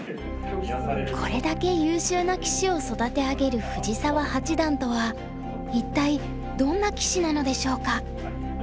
これだけ優秀な棋士を育て上げる藤澤八段とは一体どんな棋士なのでしょうか？